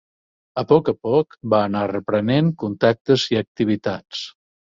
A poc a poc va anar reprenent contactes i activitats.